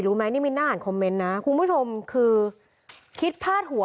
รู้ไหมนี่มีหน้าอ่านคอมเม้นนะคุณผู้ชมคือคิดพลาดหัว